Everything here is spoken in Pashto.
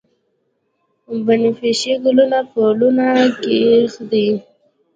بنفشیې ګلونه پلونه کښیږدي